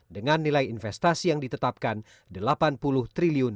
dengan nilai investasi yang ditetapkan rp delapan puluh triliun